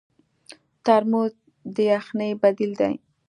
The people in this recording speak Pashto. ترموز د یخنۍ بدیل دی.